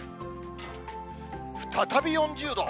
再び４０度？